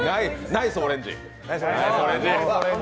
ナイスオレンジ！